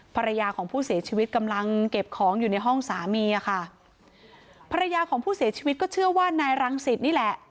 ภรรยาของผู้เสียชีวิตกำลังเก็บของอยู่ในห้องสามีอ่ะค่ะภรรยาของผู้เสียชีวิตก็เชื่อว่านายรังสิตนี่แหละ